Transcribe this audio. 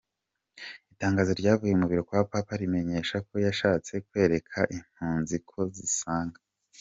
Itangazo ryavuye mu biro kwa Papa rimenyesha ko yashatse kwereka impunzi ko zisanga.